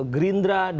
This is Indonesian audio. gerindra dan pak prabowo